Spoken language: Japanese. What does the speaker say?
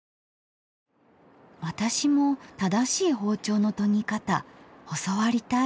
私も正しい包丁の研ぎ方教わりたい。